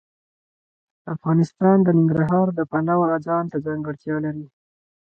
افغانستان د ننګرهار د پلوه ځانته ځانګړتیا لري.